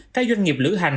các doanh nghiệp lữ hành